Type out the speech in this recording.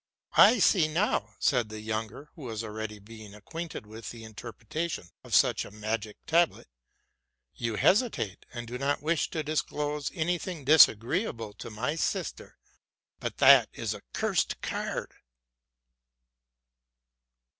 '+I see now,'' said the younger, who was already better acquainted with the interpretation of such a magic tablet, '* you hesi tate, and do not wish to disclose any thing disagreeable to my sister; but that is a cursed card!